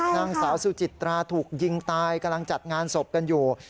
นางสาวสุจิตราถูกยิงตายกำลังจัดงานศพกันอยู่